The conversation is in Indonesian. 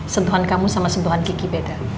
sentuhan kamu sama sentuhan gigi beda